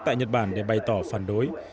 tại nhật bản để bày tỏ phản đối